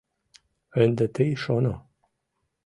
Ынде тый шоно.